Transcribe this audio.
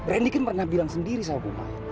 randy kan pernah bilang sendiri sama rumah